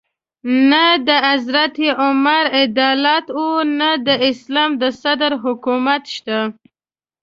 نه د حضرت عمر عدالت او نه د اسلام د صدر حکومت شته.